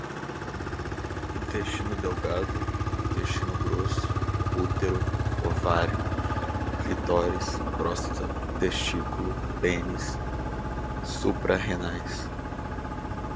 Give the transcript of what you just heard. intestino delgado, intestino grosso, útero, ovário, clítoris, próstata, testículo, pênis, suprarrenais